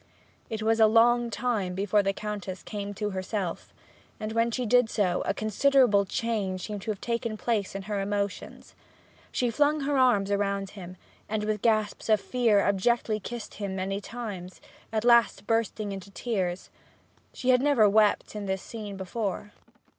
It was a long time before the Countess came to herself, and when she did so, a considerable change seemed to have taken place in her emotions. She flung her arms around him, and with gasps of fear abjectly kissed him many times, at last bursting into tears. She had never wept in this scene before.